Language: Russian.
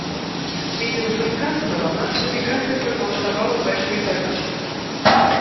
В свете вышесказанного наша делегация проголосовала за эту резолюцию.